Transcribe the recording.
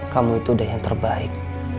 kamu itu udah yang terbaik